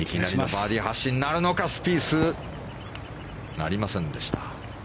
バーディー発進となるのかスピースなりませんでした。